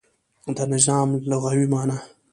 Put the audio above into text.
د نظام لغوی معنا